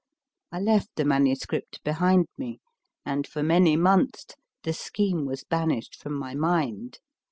I left the MS. behind me, and for many months the scheme was banished from my mind.